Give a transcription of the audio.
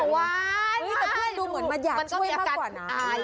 เหมือนมันอยากช่วยมากกว่านาน